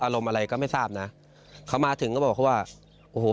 อารมณ์อะไรก็ไม่ทราบนะเขามาถึงก็บอกเขาว่าโอ้โห